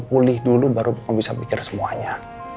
pulih dulu baru kamu bisa pikir semuanya